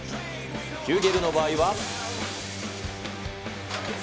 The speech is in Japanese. キューゲルの場合は。